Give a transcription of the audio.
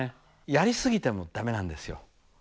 やりすぎても駄目なんですよ。